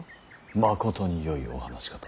まことによいお話かと。